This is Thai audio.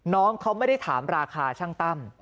น้องเขาไม่ได้ถามราคาช่างตั้ม